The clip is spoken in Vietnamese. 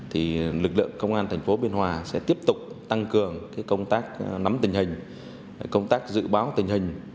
thì lực lượng công an thành phố biên hòa sẽ tiếp tục tăng cường công tác nắm tình hình công tác dự báo tình hình